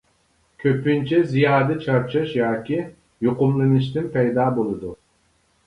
كۆپىنچە زىيادە چارچاش ياكى يۇقۇملىنىشتىن پەيدا بولىدۇ.